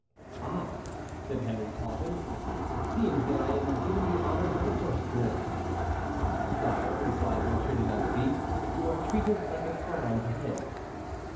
"Ah!" said Henry, pausing, "it seems that I am given the honors of the first floor." "Sire," replied Monsieur de Nancey, "you are treated like a crowned head."